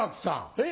えっ？